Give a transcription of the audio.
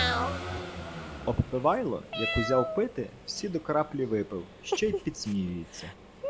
Обпивайло як узяв пити, всі до краплі випив ще й підсміюється.